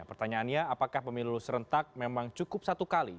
pertanyaannya apakah pemilu serentak memang cukup satu kali